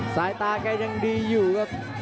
สายตาแกยังดีอยู่ครับ